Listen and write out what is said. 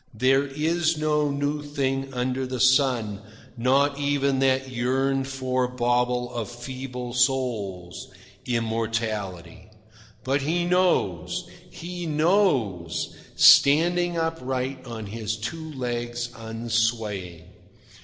There is no new thing under the sun, not even that yearned for bauble of feeble souls immortality. But he knows, HE knows, standing upright on his two legs unswaying.